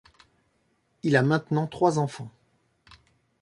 Il a maintenant trois enfants.